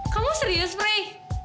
kamu serius pri